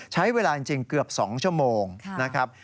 ใช้เวลาจริงเกือบ๒ชั่วโมงนะครับ